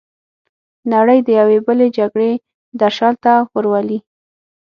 نړۍ د یوې بلې جګړې درشل ته ورولي.